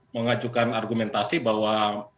mengajukan argumentasi bahwa